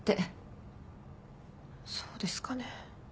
そうですかね？